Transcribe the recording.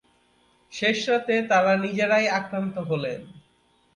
শেষ রাতে তারা নিজেরাই আক্রান্ত হলেন।